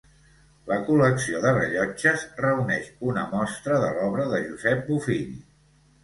La Col·lecció de Rellotges reuneix una mostra de l'obra de Josep Bofill.